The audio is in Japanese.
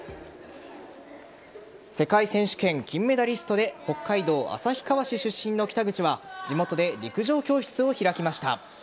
世界選手権金メダリストで北海道旭川市出身の北口は地元で陸上教室を開きました。